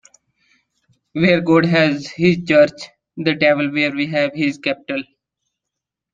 Where God has his church, the devil will have his chapel.